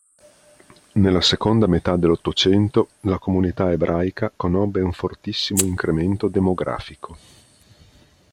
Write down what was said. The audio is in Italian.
Nella seconda metà dell'Ottocento la comunità ebraica conobbe un fortissimo incremento demografico.